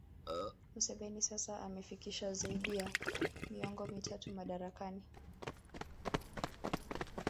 Museveni sasa amefikisha zaidi ya miongo mitatu madarakani